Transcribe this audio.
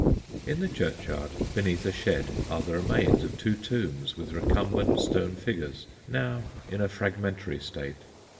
In the churchyard, beneath a shed, are the remains of two tombs, with recumbent stone figures, now in a fragmentary state.